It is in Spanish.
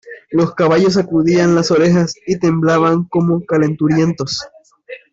los caballos sacudían las orejas y temblaban como calenturientos .